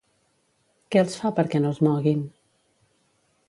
Què els fa perquè no es moguin?